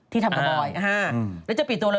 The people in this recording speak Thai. ที่ทำกับบอยแล้วจะปิดตัวเร็ว